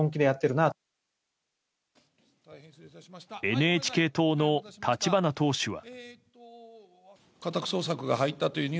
ＮＨＫ党の立花党首は。